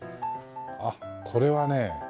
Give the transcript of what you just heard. あっこれはね